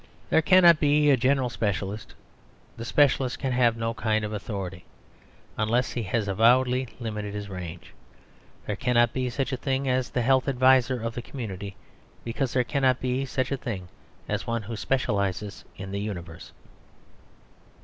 There cannot be a general specialist; the specialist can have no kind of authority, unless he has avowedly limited his range. There cannot be such a thing as the health adviser of the community, because there cannot be such a thing as one who specialises in the universe.